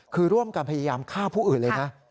คือร่วมกันพยายามฆ่าผู้อื่นเลยนะ